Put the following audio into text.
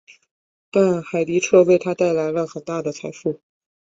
但海迪彻为他带来了很大的财富。